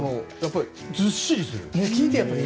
ずっしりする。